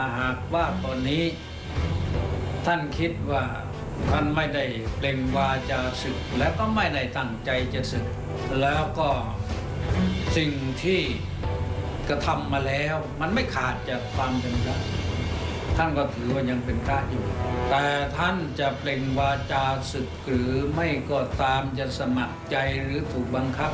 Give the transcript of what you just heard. มคศภาษาอศภาษาอศภาษาอศภาษาอศภาษาอศภาษาอศภาษาอศภาษาอศภาษาอศภาษาอศภาษาอศภาษาอศภาษาอศภาษาอศภาษาอศภาษาอศภาษาอศภาษาอศ